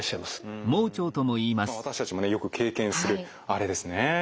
私たちもねよく経験するあれですね。